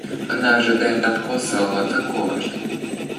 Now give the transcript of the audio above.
Она ожидает от Косово того же.